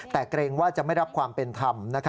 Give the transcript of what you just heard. แต่เกรงว่าจะไม่รับความเป็นธรรม